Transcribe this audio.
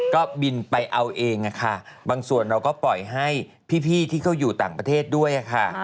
ก็บินไปเอาเองค่ะบางส่วนเราก็ปล่อยให้พี่ที่เขาอยู่ต่างประเทศด้วยค่ะ